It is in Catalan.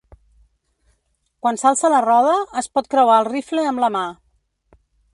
Quan s'alça la roda, es pot creuar el rifle amb la mà.